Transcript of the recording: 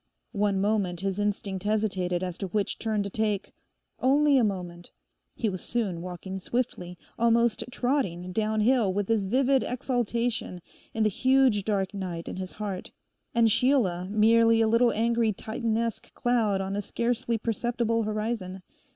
One moment his instinct hesitated as to which turn to take—only a moment; he was soon walking swiftly, almost trotting, downhill with this vivid exaltation in the huge dark night in his heart, and Sheila merely a little angry Titianesque cloud on a scarcely perceptible horizon.